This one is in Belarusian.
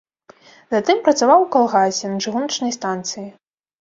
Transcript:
Затым працаваў у калгасе, на чыгуначнай станцыі.